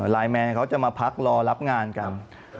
ไลน์แมนเขาจะมาพักรอรับงานกัน